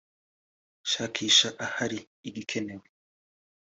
shakisha ahari igikenewe